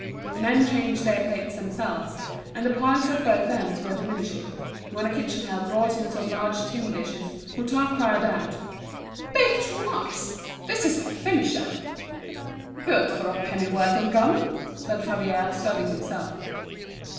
The men changed their plates themselves, and the piles at both ends were diminishing. When a kitchen help brought in some large tin dishes, Hutin cried out: "Baked rice! this is a finisher!" "Good for a penn'orth of gum!" said Favier, serving himself.